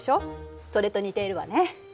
それと似ているわね。